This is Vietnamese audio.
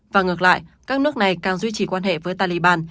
và ngược lại các nước này càng duy trì quan hệ với taliban